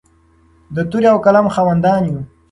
د تورې او قلم خاوندان یو.